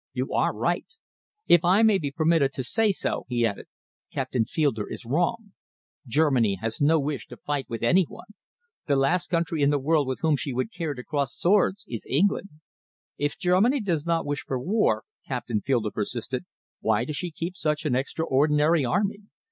You are right. If I may be permitted to say so," he added, "Captain Fielder is wrong. Germany has no wish to fight with any one. The last country in the world with whom she would care to cross swords is England." "If Germany does not wish for war," Captain Fielder persisted, "why does she keep such an extraordinary army?